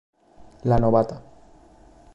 La novata